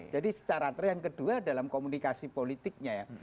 jadi secara terakhir yang kedua dalam komunikasi politiknya ya